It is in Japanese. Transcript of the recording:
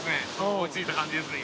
追いついた感じですね